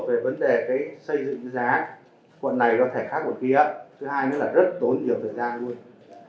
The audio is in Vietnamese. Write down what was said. về vấn đề cái xây dựng giá quận này có thể khác quận kia thứ hai là rất đối với nhiều thời gian luôn